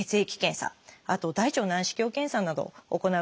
あと大腸内視鏡検査などを行うことが一般的です。